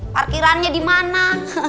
parkirannya di mana